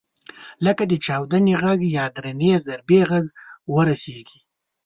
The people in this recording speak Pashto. لکه د چاودنې غږ یا درنې ضربې غږ ورسېږي.